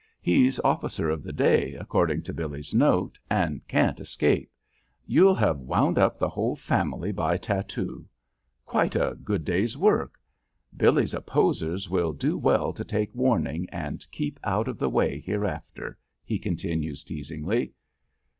He's officer of the day, according to Billy's note, and can't escape. You'll have wound up the whole family by tattoo. Quite a good day's work. Billy's opposers will do well to take warning and keep out of the way hereafter," he continues, teasingly.